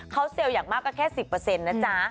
เขาเซลล์อย่างมากก็แค่๑๐นะจ๊ะ